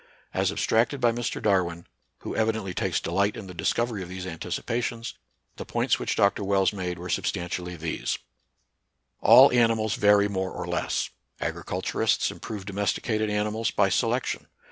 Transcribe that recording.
As abstracted by Mr. Darwin, who evidently takes delight in the discovery of these anticipations, the points which Dr. WeUs made were substan tially these :— All animals vary more or less : agriculturists improve domesticated animals by selection.